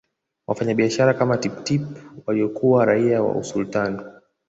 Wafanyabiashara kama Tipp Tip waliokuwa raia wa Usultani